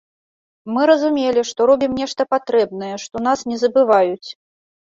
Мы разумелі, што робім нешта патрэбнае, што нас не забываюць.